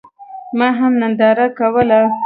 ما هم ننداره کوله.